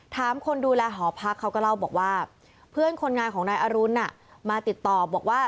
คนดูแลหอพักเขาก็เล่าบอกว่าเพื่อนคนงานของนายอรุณมาติดต่อบอกว่า